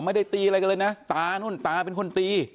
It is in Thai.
ไม่ได้ตีอะไรกันเลยนะตานู่นตาเป็นคนตี